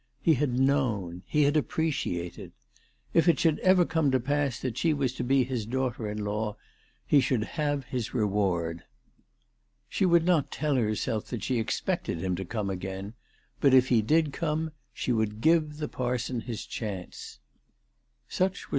He had known. He had appreciated. If it should ever come to pass that she was to be his daughter in law, he should have his reward. She would not tell herself that she expected him to come again ; but, if he did come, she would 362 ALICE DUGDALE.